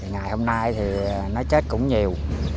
ngày hôm nay thì nó chết cũng nhiều